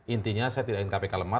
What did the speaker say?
intinya saya tidak ingin kpk lemah